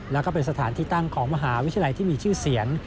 แล้วก็เป็นสถานที่ตั้งของมหาวิทยาลัยที่มีชื่อเสียง